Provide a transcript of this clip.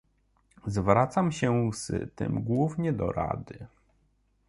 Zwracam się z tym głównie do Rady